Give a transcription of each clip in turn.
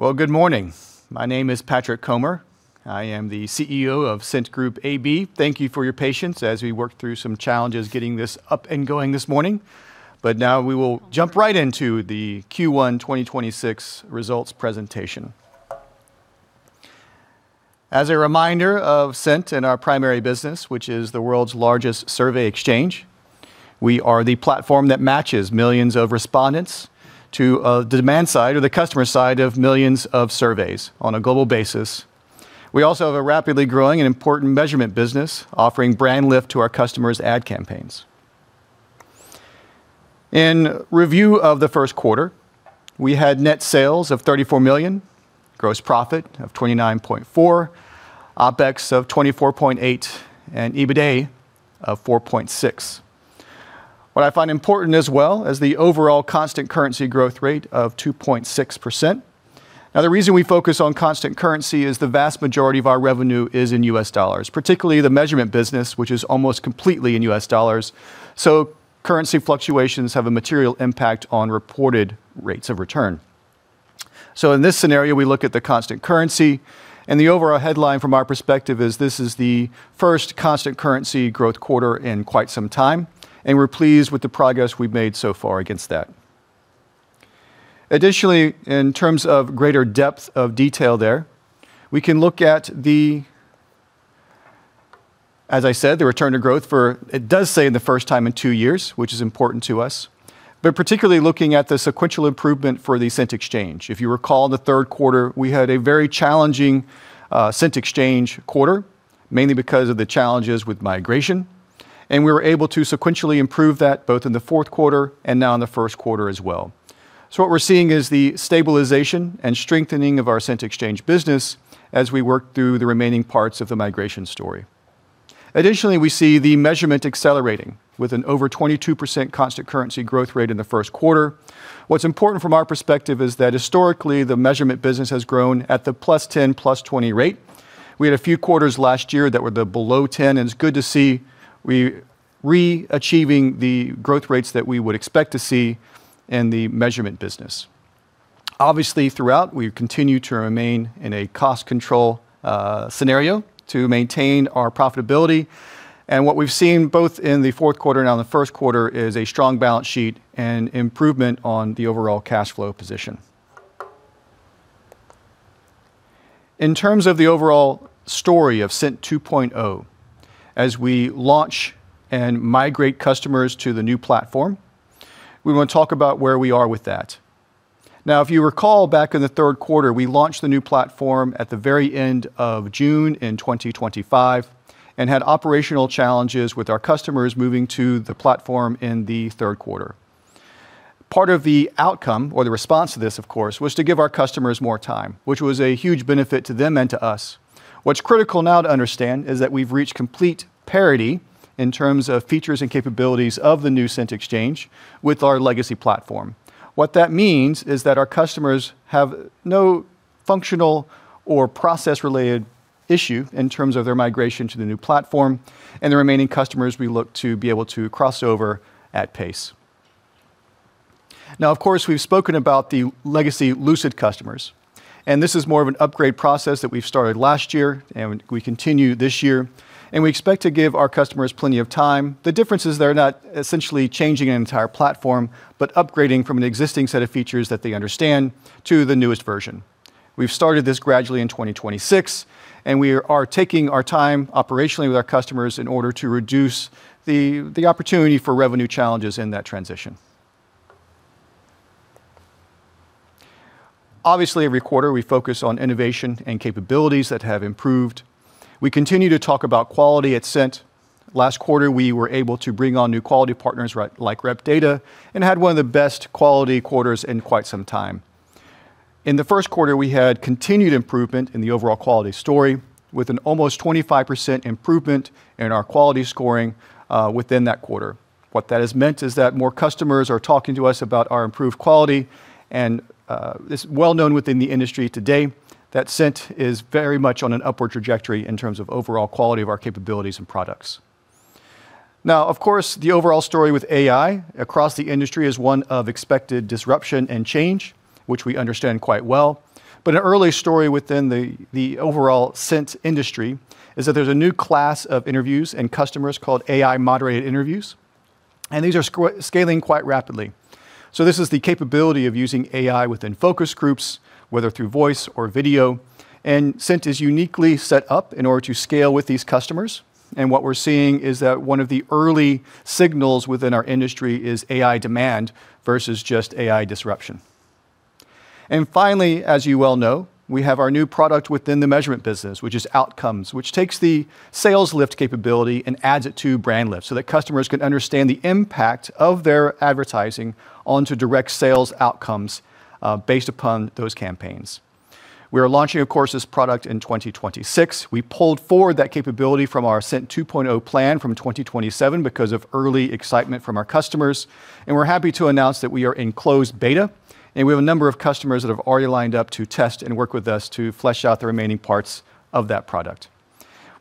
Well, good morning. My name is Patrick Comer. I am the CEO of Cint Group AB. Thank you for your patience as we worked through some challenges getting this up and going this morning. Now we will jump right into the Q1 2026 results presentation. As a reminder of Cint and our primary business, which is the world's largest survey exchange, we are the platform that matches millions of respondents to the demand side or the customer side of millions of surveys on a global basis. We also have a rapidly growing and important measurement business offering brand lift to our customers' ad campaigns. In review of the first quarter, we had net sales of 34 million, gross profit of 29.4, OpEx of 24.8, and EBITA of 4.6. What I find important as well is the overall constant currency growth rate of 2.6%. The reason we focus on constant currency is the vast majority of our revenue is in US dollars, particularly the measurement business, which is almost completely in US dollars. Currency fluctuations have a material impact on reported rates of return. In this scenario, we look at the constant currency, and the overall headline from our perspective is this is the first constant currency growth quarter in quite some time, and we're pleased with the progress we've made so far against that. Additionally, in terms of greater depth of detail there, we can look at the, as I said, the return to growth for, it does say the first time in two years, which is important to us. Particularly looking at the sequential improvement for the Cint Exchange. If you recall, in the third quarter, we had a very challenging Cint Exchange quarter, mainly because of the challenges with migration. We were able to sequentially improve that both in the fourth quarter and now in the first quarter as well. What we're seeing is the stabilization and strengthening of our Cint Exchange business as we work through the remaining parts of the migration story. Additionally, we see the measurement accelerating with an over 22% constant currency growth rate in the first quarter. What's important from our perspective is that historically, the measurement business has grown at the +10, +20 rate. We had a few quarters last year that were the below 10, and it's good to see we're re-achieving the growth rates that we would expect to see in the measurement business. Obviously, throughout, we've continued to remain in a cost control scenario to maintain our profitability. What we've seen both in the fourth quarter, in the first quarter, is a strong balance sheet and improvement on the overall cash flow position. In terms of the overall story of Cint 2.0, as we launch and migrate customers to the new platform, we want to talk about where we are with that. Now, if you recall, back in the third quarter, we launched the new platform at the very end of June in 2025 and had operational challenges with our customers moving to the platform in the third quarter. Part of the outcome or the response to this, of course, was to give our customers more time, which was a huge benefit to them and to us. What's critical now to understand is that we've reached complete parity in terms of features and capabilities of the new Cint Exchange with our legacy platform. What that means is that our customers have no functional or process-related issue in terms of their migration to the new platform, and the remaining customers we look to be able to cross over at pace. Of course, we've spoken about the legacy Lucid customers, and this is more of an upgrade process that we've started last year and we continue this year, and we expect to give our customers plenty of time. The difference is they're not essentially changing an entire platform, but upgrading from an existing set of features that they understand to the newest version. We've started this gradually in 2026. We are taking our time operationally with our customers in order to reduce the opportunity for revenue challenges in that transition. Obviously, every quarter, we focus on innovation and capabilities that have improved. We continue to talk about quality at Cint. Last quarter, we were able to bring on new quality partners like Rep Data, Had one of the best quality quarters in quite some time. In the first quarter, we had continued improvement in the overall quality story with an almost 25% improvement in our quality scoring within that quarter. What that has meant is that more customers are talking to us about our improved quality. It's well known within the industry today that Cint is very much on an upward trajectory in terms of overall quality of our capabilities and products. Of course, the overall story with AI across the industry is one of expected disruption and change, which we understand quite well. An early story within the overall Cint industry is that there's a new class of interviews and customers called AI-moderated interviews, and these are scaling quite rapidly. This is the capability of using AI within focus groups, whether through voice or video. Cint is uniquely set up in order to scale with these customers. What we're seeing is that one of the early signals within our industry is AI demand versus just AI disruption. Finally, as you well know, we have our new product within the measurement business, which is Outcomes, which takes the sales lift capability and adds it to brand lift so that customers can understand the impact of their advertising onto direct sales outcomes based upon those campaigns. We are launching, of course, this product in 2026. We pulled forward that capability from our Cint 2.0 plan from 2027 because of early excitement from our customers. We're happy to announce that we are in closed beta, and we have a number of customers that have already lined up to test and work with us to flesh out the remaining parts of that product.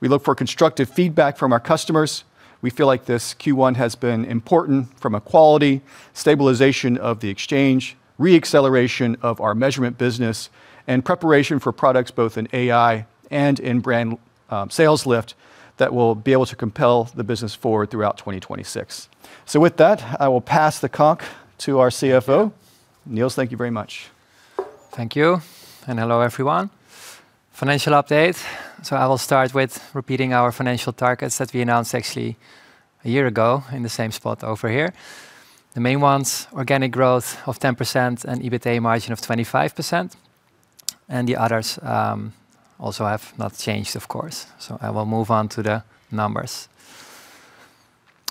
We look for constructive feedback from our customers. We feel like this Q1 has been important from a quality stabilization of the Exchange, re-acceleration of our measurement business, and preparation for products both in AI and in brand sales lift that will be able to compel the business forward throughout 2026. With that, I will pass the conch to our CFO. Niels, thank you very much. Thank you. Hello, everyone. Financial update. I will start with repeating our financial targets that we announced actually a year ago in the same spot over here. The main ones, organic growth of 10% and EBITA margin of 25%. The others also have not changed, of course. I will move on to the numbers.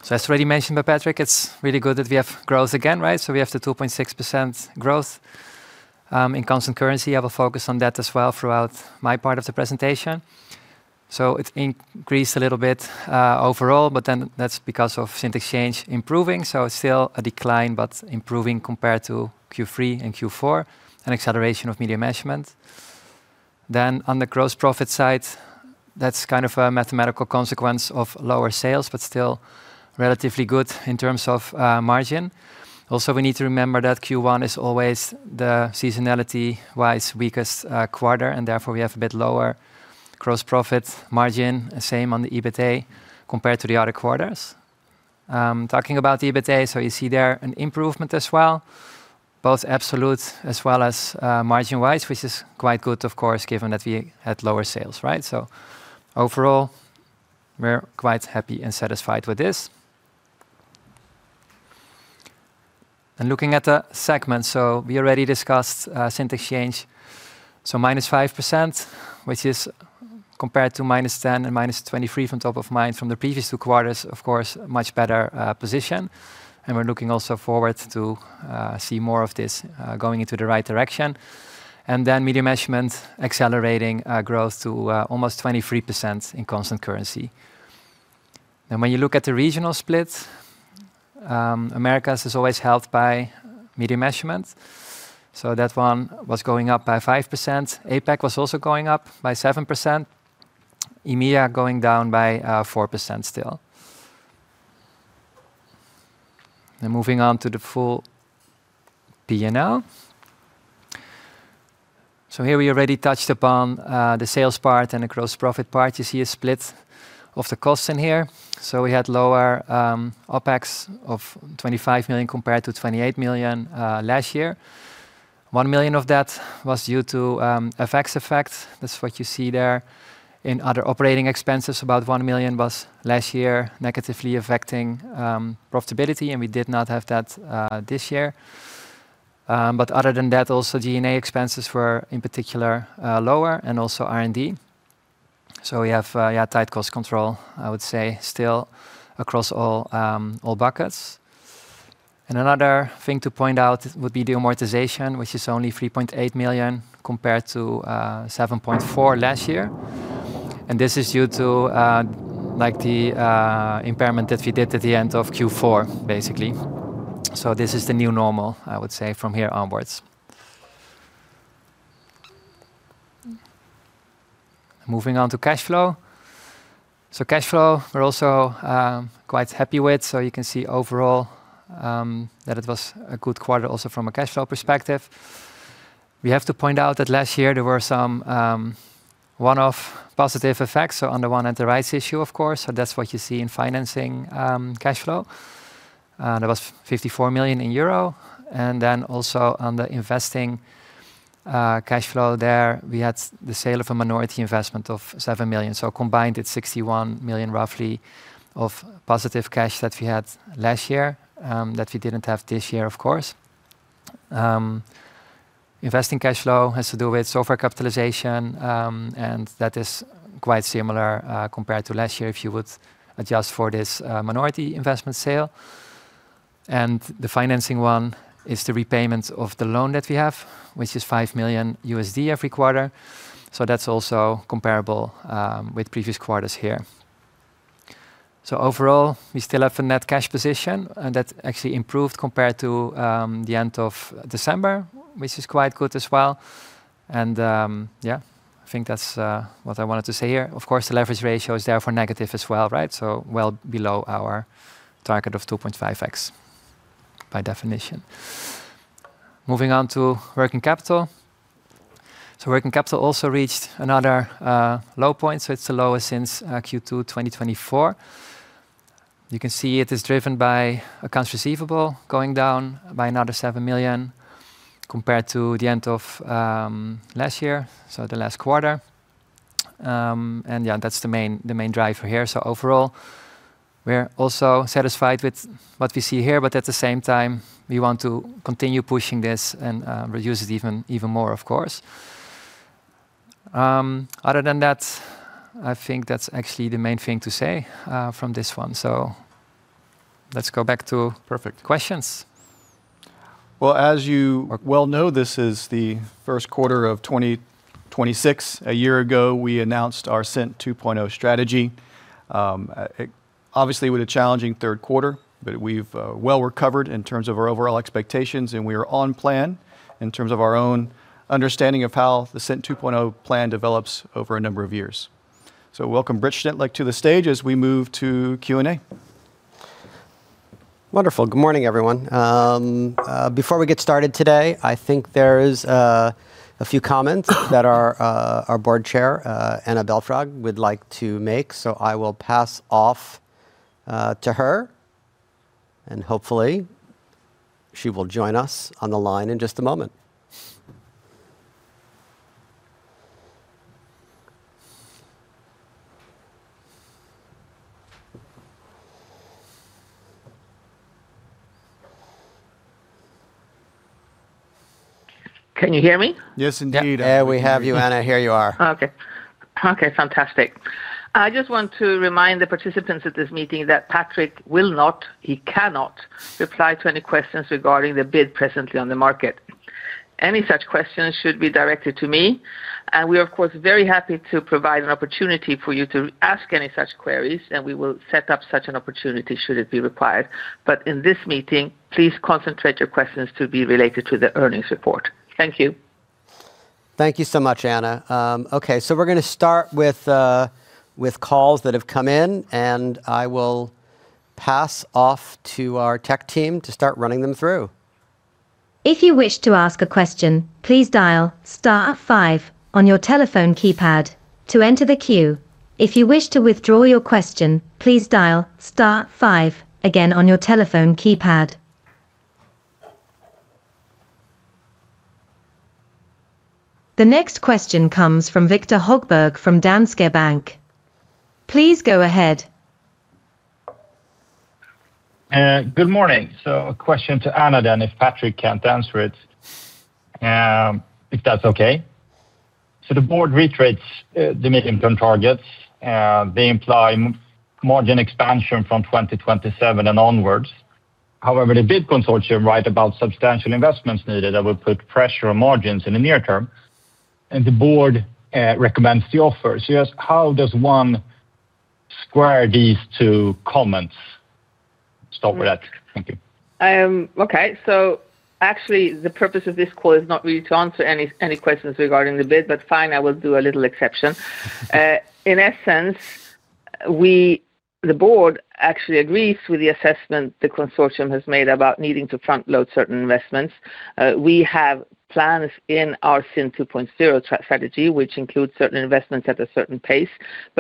As already mentioned by Patrick, it's really good that we have growth again, right? We have the 2.6% growth in constant currency. I will focus on that as well throughout my part of the presentation. It's increased a little bit overall, but then that's because of Cint Exchange improving, so it's still a decline, but improving compared to Q3 and Q4, an acceleration of Media Measurement. On the gross profit side, that's kind of a mathematical consequence of lower sales, but still relatively good in terms of margin. We need to remember that Q1 is always the seasonality-wise weakest quarter, and therefore we have a bit lower gross profit margin, the same on the EBITA compared to the other quarters. Talking about the EBITA, you see there an improvement as well, both absolute as well as margin-wise, which is quite good, of course, given that we had lower sales, right? Overall, we're quite happy and satisfied with this. Looking at the segments. We already discussed Cint Exchange, -5%, which is compared to -10% and -23% from top of mind from the previous two quarters, of course, much better position. We're looking also forward to see more of this going into the right direction. Media Measurement accelerating growth to almost 23% in constant currency. When you look at the regional split, Americas is always helped by Media Measurement. That one was going up by 5%. APAC was also going up by 7%. EMEA going down by 4% still. Moving on to the full P&L. Here we already touched upon the sales part and the gross profit part. You see a split of the costs in here. We had lower OpEx of 25 million compared to 28 million last year. 1 million of that was due to FX effects. That's what you see there. In other operating expenses, about 1 million was last year negatively affecting profitability. We did not have that this year. Other than that, also G&A expenses were in particular lower and also R&D. We have, yeah, tight cost control, I would say, still across all buckets. Another thing to point out would be the amortization, which is only 3.8 million compared to 7.4 million last year. This is due to like the impairment that we did at the end of Q4. This is the new normal, I would say, from here onwards. Moving on to cash flow. Cash flow, we're also quite happy with. You can see overall that it was a good quarter also from a cash flow perspective. We have to point out that last year there were some one-off positive effects. On the one at the rights issue, of course. That's what you see in financing cash flow. That was 54 million euro. Also on the investing cash flow there, we had the sale of a minority investment of 7 million. Combined, it's 61 million roughly of positive cash that we had last year that we didn't have this year, of course. Investing cash flow has to do with software capitalization, and that is quite similar compared to last year if you would adjust for this minority investment sale. The financing one is the repayment of the loan that we have, which is $5 million every quarter. That's also comparable with previous quarters here. Overall, we still have a net cash position, and that actually improved compared to the end of December, which is quite good as well. I think that's what I wanted to say here. Of course, the leverage ratio is therefore negative as well, right? Well below our target of 2.5x by definition. Moving on to working capital. Working capital also reached another low point, so it's the lowest since Q2 2024. You can see it is driven by accounts receivable going down by another 7 million compared to the end of last year, so the last quarter. That's the main driver here. Overall, we're also satisfied with what we see here, but at the same time, we want to continue pushing this and reduce it even more, of course. Other than that, I think that's actually the main thing to say from this one. Let's go back to- Perfect.... questions. Well, as you well know, this is the first quarter of 2026. A year ago, we announced our Cint 2.0 strategy, obviously with a challenging third quarter, but we've well recovered in terms of our overall expectations, and we are on plan in terms of our own understanding of how the Cint 2.0 plan develops over a number of years. Welcome Brett Schnittlich to the stage as we move to Q&A. Wonderful. Good morning, everyone. Before we get started today, I think there's a few comments that our board chair, Anna Belfrage, would like to make. I will pass off to her, and hopefully she will join us on the line in just a moment. Can you hear me? Yes, indeed. Yeah, we have you, Anna. Here you are. Okay. Okay, fantastic. I just want to remind the participants at this meeting that Patrick will not, he cannot reply to any questions regarding the bid presently on the market. Any such questions should be directed to me, and we are, of course, very happy to provide an opportunity for you to ask any such queries, and we will set up such an opportunity should it be required. In this meeting, please concentrate your questions to be related to the earnings report. Thank you. Thank you so much, Anna. Okay, we're gonna start with calls that have come in. I will pass off to our tech team to start running them through. The next question comes from Viktor Högberg from Danske Bank. Please go ahead. Good morning. A question to Anna then if Patrick can't answer it, if that's okay. The board retreats, the mid-income targets, they imply margin expansion from 2027 and onwards. However, the bid consortium write about substantial investments needed that would put pressure on margins in the near term, and the board recommends the offer. Just how does one square these two comments? Start with that. Thank you. Okay. Actually, the purpose of this call is not really to answer any questions regarding the bid, fine, I will do a little exception. In essence, the board actually agrees with the assessment the consortium has made about needing to front-load certain investments. We have plans in our Cint 2.0 strategy, which includes certain investments at a certain pace.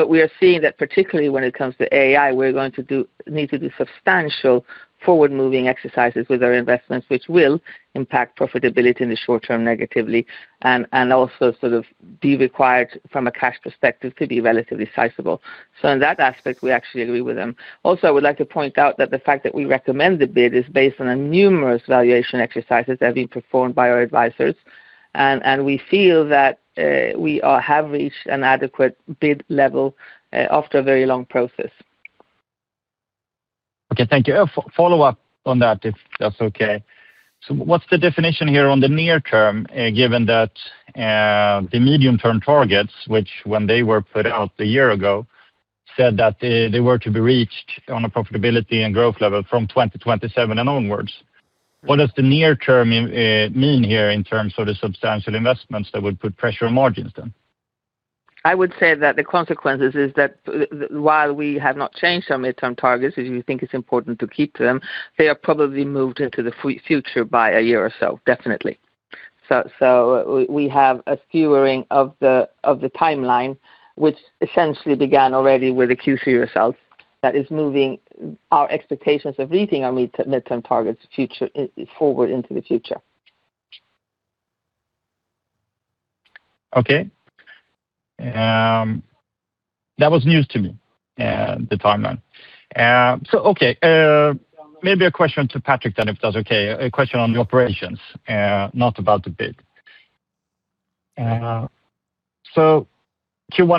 We are seeing that particularly when it comes to AI, we need to do substantial forward-moving exercises with our investments, which will impact profitability in the short term negatively, and also sort of be required from a cash perspective to be relatively sizable. In that aspect, we actually agree with them. Also, I would like to point out that the fact that we recommend the bid is based on numerous valuation exercises that have been performed by our advisors. We feel that we have reached an adequate bid level after a very long process. Okay, thank you. A follow-up on that, if that's okay. What's the definition here on the near term, given that the medium-term targets, which when they were put out a year ago, said that they were to be reached on a profitability and growth level from 2027 and onwards. What does the near term mean here in terms of the substantial investments that would put pressure on margins then? I would say that the consequences is that while we have not changed our midterm targets, as you think it's important to keep them, they are probably moved into the future by a year or so, definitely. We have a skewering of the timeline, which essentially began already with the Q3 results, that is moving our expectations of reaching our midterm targets forward into the future. Okay. That was news to me, the timeline. Okay, maybe a question to Patrick then, if that's okay. A question on the operations, not about the bid. Q1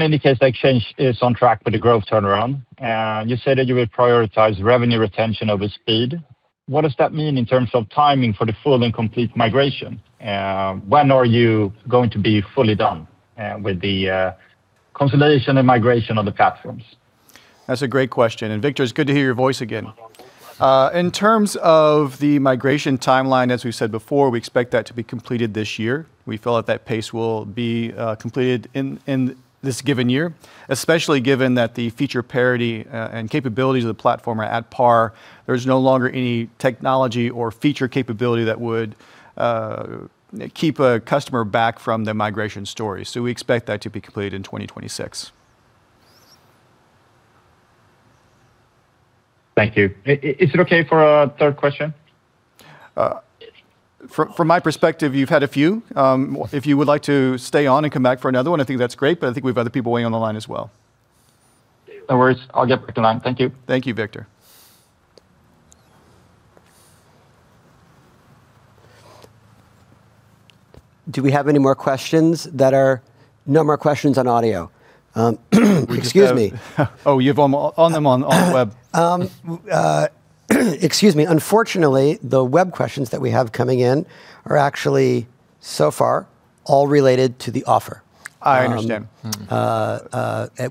indicates the Exchange is on track for the growth turnaround. You said that you would prioritize revenue retention over speed. What does that mean in terms of timing for the full and complete migration? When are you going to be fully done with the consolidation and migration of the platforms? That's a great question. Viktor, it's good to hear your voice again. In terms of the migration timeline, as we said before, we expect that to be completed this year. We feel at that pace will be completed in this given year, especially given that the feature parity and capabilities of the platform are at par. There's no longer any technology or feature capability that would keep a customer back from the migration story. We expect that to be completed in 2026. Thank you. Is it okay for a third question? From my perspective, you've had a few. If you would like to stay on and come back for another one, I think that's great, but I think we have other people waiting on the line as well. No worries. I'll get back in line. Thank you. Thank you, Viktor. Do we have any more questions? No more questions on audio. Excuse me. We just have. Oh, you have them on the web. Excuse me. Unfortunately, the web questions that we have coming in are actually so far all related to the offer. I understand.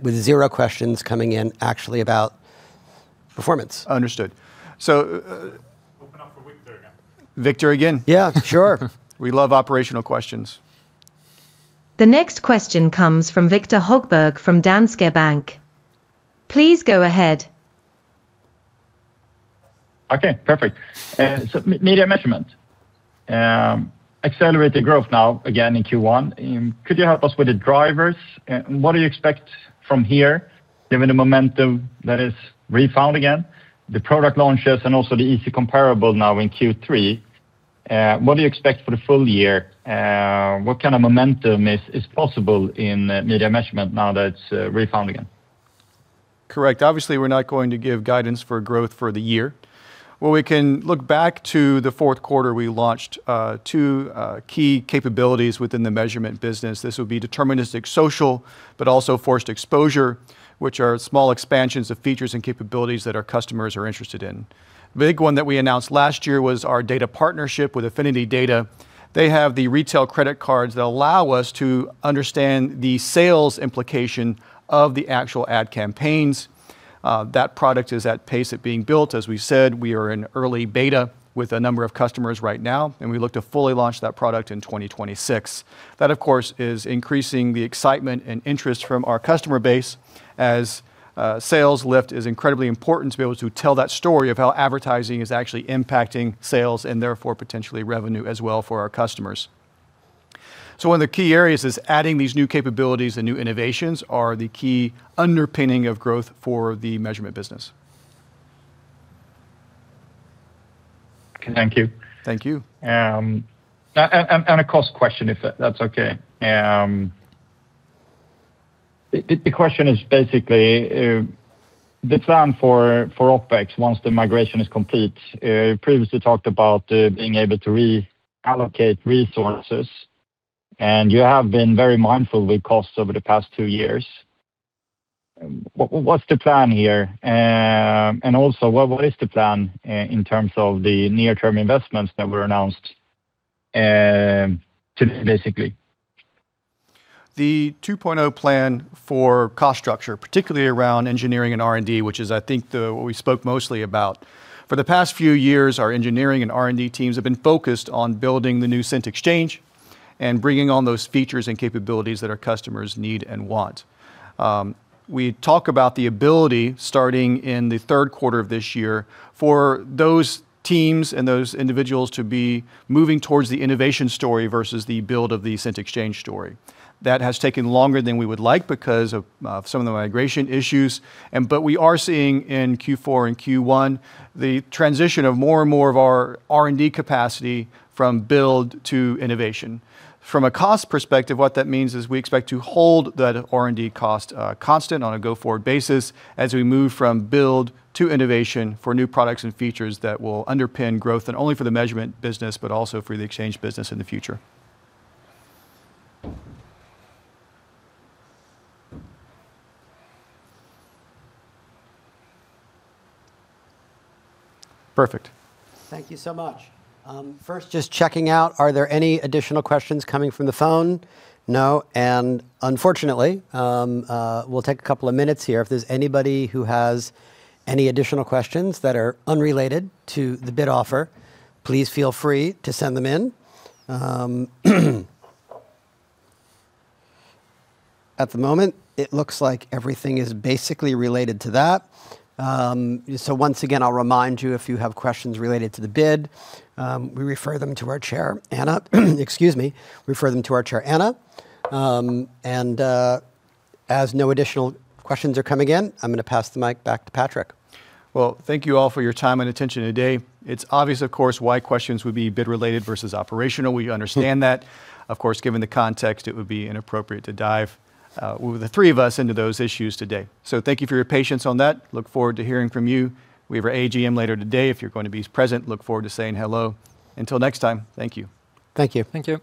With zero questions coming in actually about performance. Understood. Viktor again. Yeah, sure. We love operational questions. The next question comes from Viktor Högberg from Danske Bank. Please go ahead. Okay. Perfect. Media Measurement. Accelerated growth now again in Q1. Could you help us with the drivers? What do you expect from here given the momentum that is refound again, the product launches and also the easy comparable now in Q3? What do you expect for the full year? What kind of momentum is possible in Media Measurement now that it's refound again? Correct. Obviously, we're not going to give guidance for growth for the year. What we can look back to the fourth quarter, we launched two key capabilities within the measurement business. This would be deterministic social, but also forced exposure, which are small expansions of features and capabilities that our customers are interested in. Big one that we announced last year was our data partnership with Affinity Data. They have the retail credit cards that allow us to understand the sales implication of the actual ad campaigns. That product is at pace at being built. As we said, we are in early beta with a number of customers right now, and we look to fully launch that product in 2026. That, of course, is increasing the excitement and interest from our customer base as sales lift is incredibly important to be able to tell that story of how advertising is actually impacting sales and therefore potentially revenue as well for our customers. One of the key areas is adding these new capabilities and new innovations are the key underpinning of growth for the measurement business. Thank you. Thank you. A cost question if that's okay. The question is basically the plan for OpEx once the migration is complete. You previously talked about being able to reallocate resources, and you have been very mindful with costs over the past two years. What's the plan here? Also what is the plan in terms of the near-term investments that were announced today basically? The 2.0 plan for cost structure, particularly around engineering and R&D, which is I think what we spoke mostly about. For the past few years, our engineering and R&D teams have been focused on building the new Cint Exchange and bringing on those features and capabilities that our customers need and want. We talk about the ability starting in the 3rd quarter of this year for those teams and those individuals to be moving towards the innovation story versus the build of the Cint Exchange story. That has taken longer than we would like because of some of the migration issues but we are seeing in Q4 and Q1 the transition of more and more of our R&D capacity from build to innovation. From a cost perspective, what that means is we expect to hold that R&D cost constant on a go-forward basis as we move from build to innovation for new products and features that will underpin growth and only for the measurement business, but also for the exchange business in the future. Perfect. Thank you so much. First, just checking out, are there any additional questions coming from the phone? No. Unfortunately, we'll take a couple of minutes here. If there's anybody who has any additional questions that are unrelated to the bid offer, please feel free to send them in. At the moment, it looks like everything is basically related to that. Once again, I'll remind you, if you have questions related to the bid, we refer them to our chair, Anna. Excuse me. Refer them to our chair, Anna. As no additional questions are coming in, I'm gonna pass the mic back to Patrick. Well, thank you all for your time and attention today. It's obvious, of course, why questions would be bid-related versus operational. We understand that. Of course, given the context, it would be inappropriate to dive with the three of us into those issues today. Thank you for your patience on that. Look forward to hearing from you. We have our AGM later today. If you're going to be present, look forward to saying hello. Until next time, thank you. Thank you. Thank you.